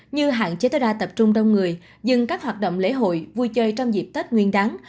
như hạn chế tối đa tập trung đông người dừng các hoạt động lễ hội vui chơi trong dịp tết nguyên đáng